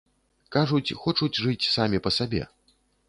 Кажуць, хочуць жыць самі па сабе.